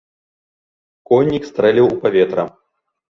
Коннік стрэліў у паветра.